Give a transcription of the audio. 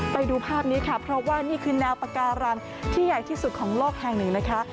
ไปดูภาพนี้ค่ะเพราะว่านี่คือแนวปาการังที่ใหญ่ที่สุดของโลกแห่งหนึ่งนะคะ